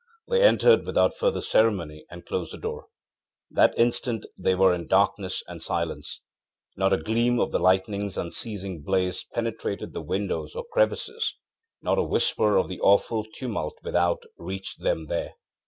They entered without further ceremony and closed the door. That instant they were in darkness and silence. Not a gleam of the lightningŌĆÖs unceasing blaze penetrated the windows or crevices; not a whisper of the awful tumult without reached them there.